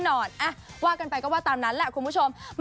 แน่นอนว่ากันไปก็ว่าตามนั้นแหละคุณผู้ชม